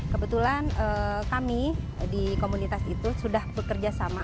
kebetulan kami di komunitas itu sudah bekerja sama